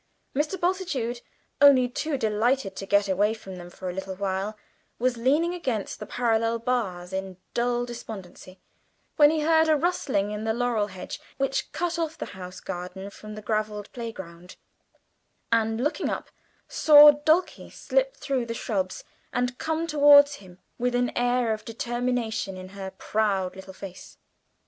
Mr. Bultitude, only too delighted to get away from them for a little while, was leaning against the parallel bars in dull despondency, when he heard a rustling in the laurel hedge which cut off the house garden from the gravelled playground, and looking up, saw Dulcie slip through the shrubs and come towards him with an air of determination in her proud little face.